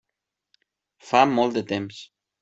Fa molt de temps.